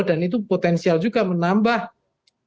dan itu potensial juga menambah basis dukungan pak prabowo